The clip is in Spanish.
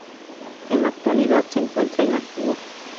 En la actualidad se encuentra inactivo.